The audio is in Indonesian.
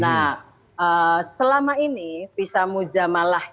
nah selama ini visa mujamalah